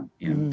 tidak ada risiko